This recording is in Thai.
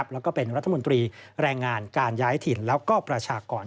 แล้วก็เป็นรัฐมนตรีแรงงานการย้ายถิ่นแล้วก็ประชากร